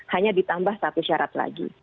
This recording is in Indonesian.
hanya ditambah satu syarat lagi